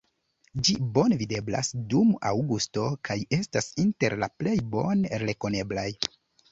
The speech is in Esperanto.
Ĝi bone videblas dum aŭgusto kaj estas inter la plej bone rekoneblaj.